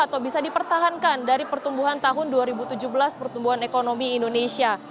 atau bisa dipertahankan dari pertumbuhan tahun dua ribu tujuh belas pertumbuhan ekonomi indonesia